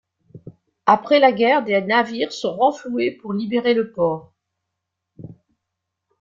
Après la guerre, des navires sont renfloués pour libérer le port.